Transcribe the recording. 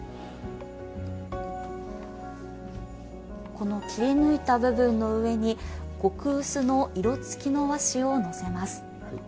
この切り抜いた部分の上に極薄の色付きの和紙をのせます。